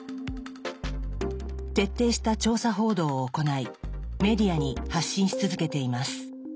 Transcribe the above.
徹底した調査報道を行いメディアに発信し続けています。